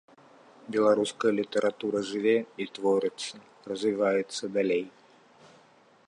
Беларуская літаратура жыве і творыцца, развіваецца далей.